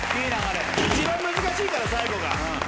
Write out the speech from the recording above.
一番難しいから最後が。